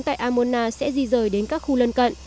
tại amona sẽ di rời đến các khu lân cận